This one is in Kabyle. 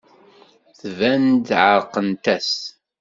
Tban-d ɛerqent-as.